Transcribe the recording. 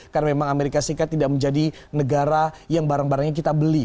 karena memang amerika serikat tidak menjadi negara yang barang barangnya kita beli